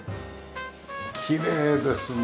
きれいですね。